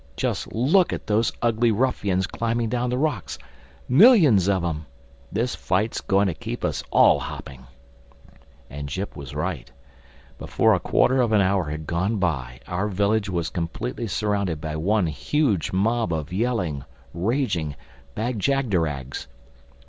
Just look at those ugly ruffians climbing down the rocks—millions of 'em! This fight's going to keep us all hopping." And Jip was right. Before a quarter of an hour had gone by our village was completely surrounded by one huge mob of yelling, raging Bag jagderags.